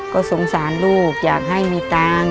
ก็สงสารลูกอยากให้มีตังค์